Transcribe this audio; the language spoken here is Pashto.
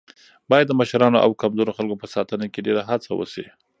باید د مشرانو او کمزورو خلکو په ساتنه کې ډېره هڅه وشي.